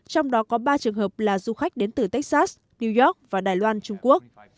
trong đó có ba trường hợp là du khách đến từ texas new york và đài loan trung quốc